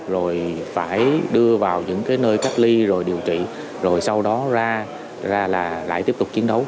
rồi phải đưa vào những nơi cách ly rồi điều trị rồi sau đó ra là lại tiếp tục chiến đấu